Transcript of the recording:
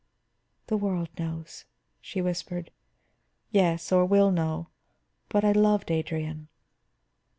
"The world knows," she whispered. "Yes; or will know. But I loved Adrian."